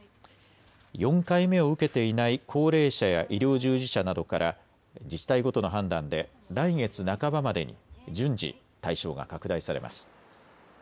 ４回目を受けていない高齢者や医療従事者などから自治体ごとの判断で来月半ばまでに順次、対象が拡大されます。